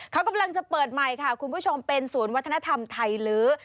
เขากำลังจะเปิดใหม่ค่ะคุณผู้ชมเป็นศูนย์วัฒนธรรมไทยลื้อ